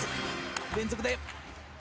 連続で。